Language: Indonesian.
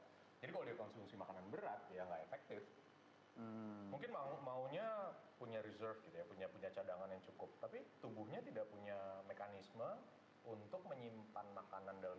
malah berfungsi sebaliknya malah jadi banyak